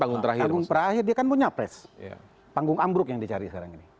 terakhir dia kan punya pres panggung ambruk yang dicari sekarang ini